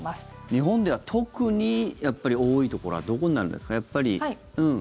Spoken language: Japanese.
日本では特に多いところはどこになるんですか？